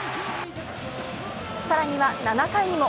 更には７回にも